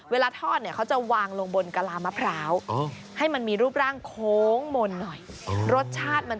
เวลาทอดเนี่ยเค้าจะวางลงบนกะลามะพราวให้มันมีรูปร่างโค้งมนหน่อย